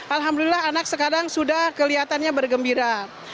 alhamdulillah anak sekarang sudah kelihatannya bergembira